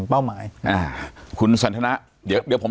ปากกับภาคภูมิ